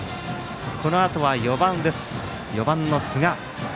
このあとは４番、寿賀。